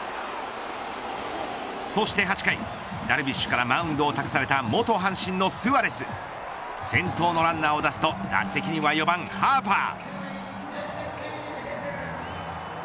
そして８回、ダルビッシュからマウンドを託された元阪神のスアレス先頭のランナーを出すと打席には、４番ハーパー。